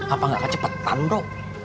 apa nggak kecepetan bro